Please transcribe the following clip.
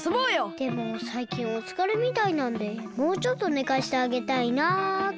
でもさいきんおつかれみたいなんでもうちょっと寝かしてあげたいなって。